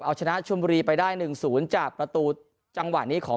เอาชนะชุมบุรีไปได้หนึ่งศูนย์จากประตูจังหวะนี้ของ